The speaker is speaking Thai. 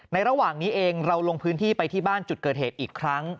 ระหว่างนี้เองเราลงพื้นที่ไปที่บ้านจุดเกิดเหตุอีกครั้ง